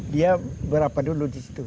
dia berapa dulu di situ